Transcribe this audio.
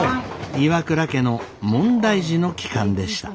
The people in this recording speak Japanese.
岩倉家の問題児の帰還でした。